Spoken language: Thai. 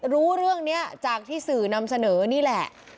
รู้เรื่องนี้จากที่สื่อนำเสนอนี่แหละ